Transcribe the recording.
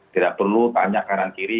tidak perlu tanya kanan kiri